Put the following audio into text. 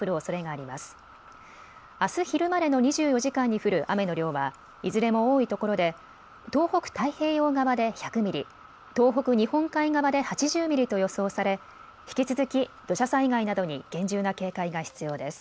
あす昼までの２４時間に降る雨の量はいずれも多いところで東北太平洋側で１００ミリ、東北日本海側で８０ミリと予想され引き続き土砂災害などに厳重な警戒が必要です。